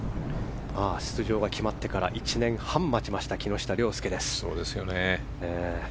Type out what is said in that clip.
出場が決まってから１年半待った木下稜介です。